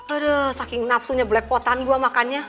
aduh saking napsunya belepotan gue makannya